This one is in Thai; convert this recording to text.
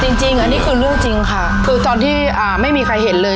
จริงจริงอันนี้คือเรื่องจริงค่ะคือตอนที่อ่าไม่มีใครเห็นเลย